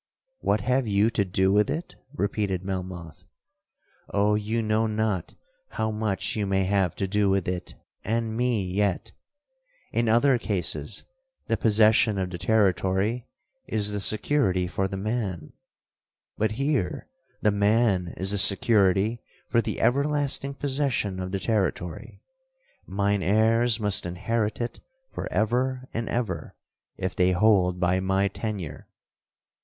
'—'What have you to do with it?' repeated Melmoth; 'Oh, you know not how much you may have to do with it and me yet! In other cases, the possession of the territory is the security for the man,—but here the man is the security for the everlasting possession of the territory. Mine heirs must inherit it for ever and ever, if they hold by my tenure.